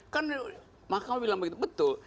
kan mahkamah bilang begitu betul